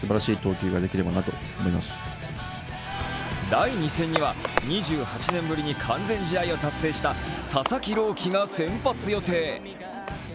第２戦には２８年ぶりに完全試合を達成した佐々木朗希が先発予定。